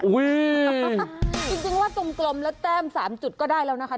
จริงว่ากลมแล้วแต้ม๓จุดก็ได้แล้วนะคะ